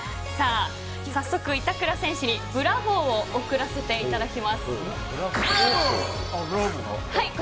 早速、板倉選手にブラボー！を贈らせていただきます